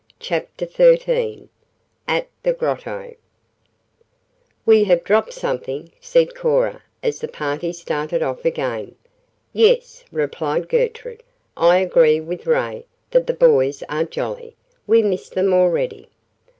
CHAPTER XIII AT THE GROTTO "We have dropped something," said Cora as the party started off again. "Yes," replied Gertrude, "I agree with Ray that the boys are jolly. We miss them already."